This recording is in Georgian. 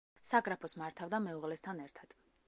საგრაფოს მართავდა მეუღლესთან ერთად.